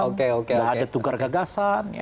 nggak ada tugas gagasan